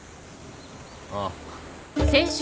ああ。